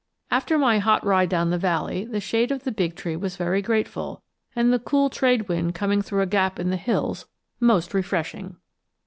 After my hot ride down the valley the shade of the big tree was very grateful; and the cool trade wind coming through a gap in the hills most refreshing.